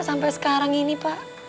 sampai sekarang ini pak